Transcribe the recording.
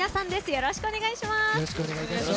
よろしくお願いします。